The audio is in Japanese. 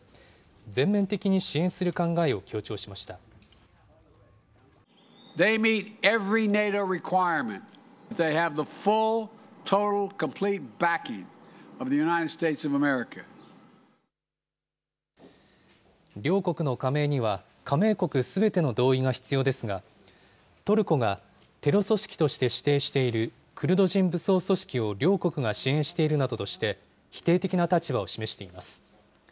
全面的に支援する考両国の加盟には、加盟国すべての同意が必要ですが、トルコがテロ組織として指定しているクルド人武装組織を両国が支援しているなどとして、否定的な立場を示しています。